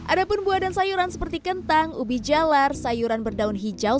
ada pun buah dan sayuran seperti kentang ubi jalar sayuran berdaun hijau